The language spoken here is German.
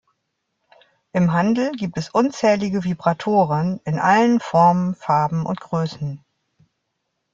Im Handel gibt es unzählige Vibratoren in allen Formen, Farben und Größen.